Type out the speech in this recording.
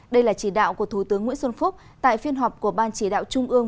đây là chỉ đạo của thủ tướng nguyễn xuân phúc tại phiên họp của ban chỉ đạo trung ương